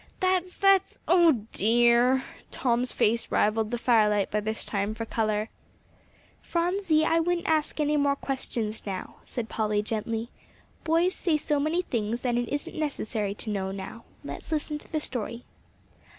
"That's that's oh, dear!" Tom's face rivalled the firelight by this time, for color. "Phronsie, I wouldn't ask any more questions now," said Polly gently. "Boys say so many things; and it isn't necessary to know now. Let's listen to the story."